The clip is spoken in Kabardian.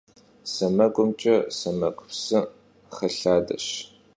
Semegumç'e — semegu psı xelhadeş.